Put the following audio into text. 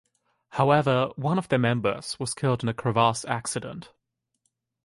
However, one of their members was killed in a crevasse accident.